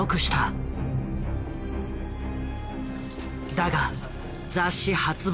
だが雑誌発売